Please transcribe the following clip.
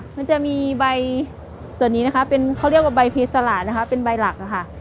มันจะมีใบส่วนนี้นะคะเป็นเขาเรียกว่าใบพีสลาดนะคะเป็นใบหลักค่ะ